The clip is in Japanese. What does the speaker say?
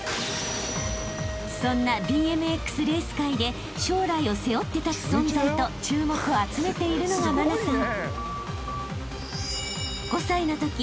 ［そんなＢＭＸレース界で将来を背負って立つ存在と注目を集めているのが茉奈さん］